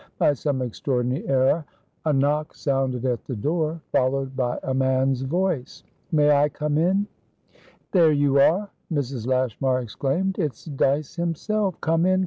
By some extraordinary error" A knock sounded at the door, followed by a man's voice. "May I come in?" "There you are!" Mrs. Lashmar exclaimed. "It's Dyce himself. Come in!